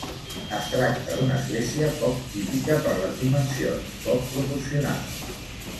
Es tracta d'una església poc típica per les dimensions, poc proporcionades.